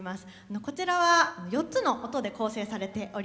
こちらは４つの音で構成されております。